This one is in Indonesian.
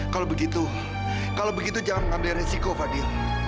kalau begitu kalau begitu jangan ambil resiko fadil